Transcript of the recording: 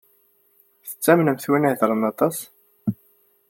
Tettamnemt win i iheddṛen aṭas?